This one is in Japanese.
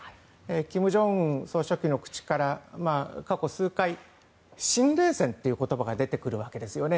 金正恩総書記の口から過去数回、新冷戦という言葉が出てくるわけですよね。